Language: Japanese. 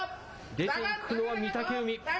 出ていくのは御嶽海。